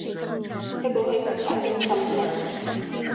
会不会改变他们呢？